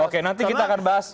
oke nanti kita bahas